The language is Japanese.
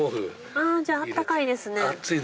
じゃああったかいですね。